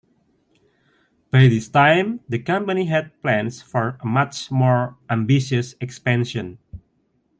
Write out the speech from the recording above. By this time the company had plans for a much more ambitious expansion.